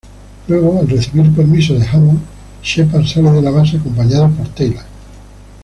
Luego, al recibir permiso de Hammond, Sheppard sale de la base acompañado por Teyla.